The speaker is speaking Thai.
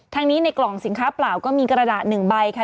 ในนี้ในกล่องสินค้าเปล่าก็มีกระดาษ๑ใบค่ะ